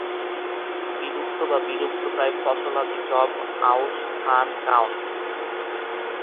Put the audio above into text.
বিলুপ্ত বা বিলুপ্তপ্রায় ফসলাদি যব, আউশ ধান, কাউন।